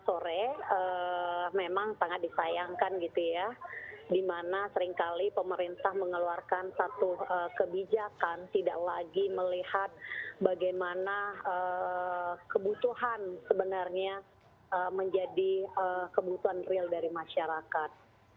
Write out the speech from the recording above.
sore memang sangat disayangkan gitu ya di mana seringkali pemerintah mengeluarkan satu kebijakan tidak lagi melihat bagaimana kebutuhan sebenarnya menjadi kebutuhan real dari masyarakat